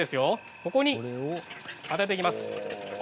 ここに当てていきます。